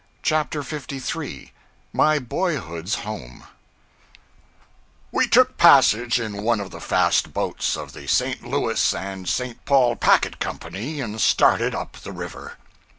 CHAPTER 53 My Boyhood's Home WE took passage in one of the fast boats of the St. Louis and St. Paul Packet Company, and started up the river.